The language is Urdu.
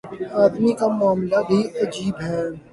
آدمی کا معاملہ بھی عجیب ہے۔